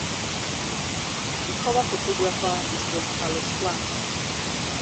The cover photographer is Bob Carlos Clarke.